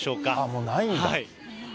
もうないんだ。